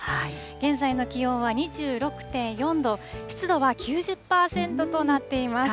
現在の気温は２６．４度、湿度は９０％となっています。